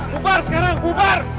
bubar sekarang bubar